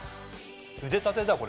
ゆでたてだこれ！